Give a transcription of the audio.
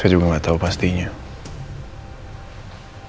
apa ini seperti apa yang kupikirin mas